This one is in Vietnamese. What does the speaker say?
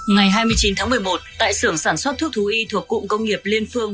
ngày hai mươi chín tháng một mươi một tại sưởng sản xuất thuốc thú y thuộc cụng công nghiệp liên phương